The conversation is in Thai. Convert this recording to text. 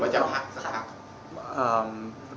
จะพักสักพัก